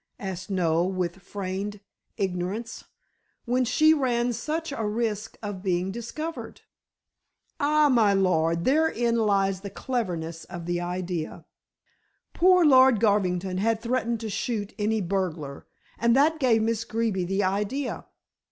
asked Noel with feigned ignorance, "when she ran such a risk of being discovered?" "Ah, my lord, therein lies the cleverness of the idea. Poor Lord Garvington had threatened to shoot any burglar, and that gave Miss Greeby the idea.